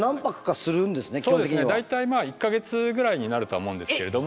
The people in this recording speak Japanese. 大体１か月ぐらいになるとは思うんですけれども。